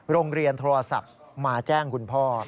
โรงเรียนโทรศัพท์มาแจ้งคุณพ่อ